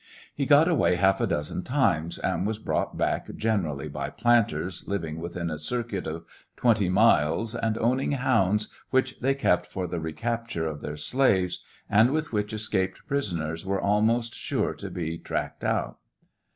He got away half a dozen times, and was brought back generally by planters living within a circuit of twenty miles and owning hounds, which they kept for the recapture of their slaves, and with which escaped prisoners were almost sure to be tracked out.